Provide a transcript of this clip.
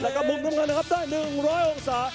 และกับมุมร่วมกันนะครับได้๑๐๐องศา